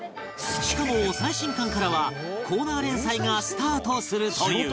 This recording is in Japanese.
しかも最新刊からはコーナー連載がスタートするという